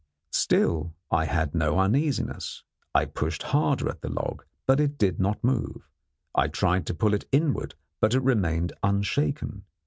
Still, I had no uneasiness. I pushed harder at the log, but it did not move. I tried to pull it inward, but it remained unshaken.